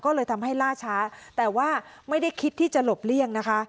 ก็เลยทำให้ล่าช้าแต่ว่าไม่ได้คิดที่จะหลบเลี่ยงนะคะ